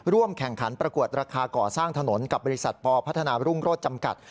ร่วมแข่งขันประกวดราคาก่อสร้างถนนกับบริษัทปพัฒนารุ่งโรศจำกัด